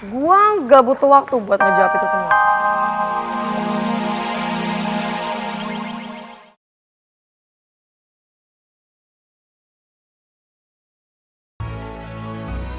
gue gak butuh waktu buat menjawab itu semua